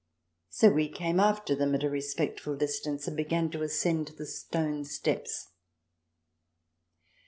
So we came after them, at a respectful distance, and began to ascend the stone steps.